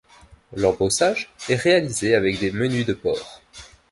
L'embossage est réalisé avec des menus de porc.